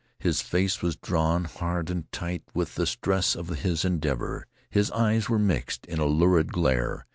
His face was drawn hard and tight with the stress of his endeavor. His eyes were fixed in a lurid glare.